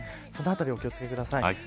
そのあたりお気を付けください。